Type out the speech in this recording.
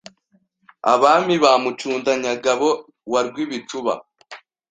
Abami ba Mucundanyangabo wa Rwibicuba